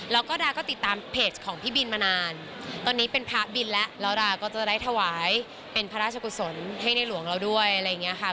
แล้วก็ดาก็ติดตามเพจของพี่บินมานานตอนนี้เป็นพระบินแล้วแล้วดาก็จะได้ถวายเป็นพระราชกุศลให้ในหลวงเราด้วยอะไรอย่างเงี้ยค่ะ